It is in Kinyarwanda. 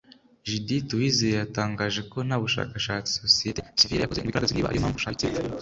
Judith Uwizeye yatangaje ko nta bushakashatsi Sosiyeti Sivile yakoze ngo igaragaze niba ari yo mpamvu ubushabitsi bupfa